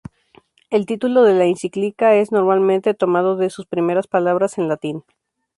El título de la encíclica es normalmente tomado de sus primeras palabras en latín.